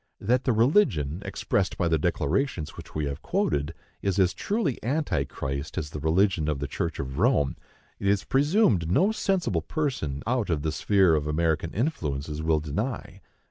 That the religion expressed by the declarations which we have quoted is as truly Antichrist as the religion of the Church of Rome, it is presumed no sensible person out of the sphere of American influences will deny.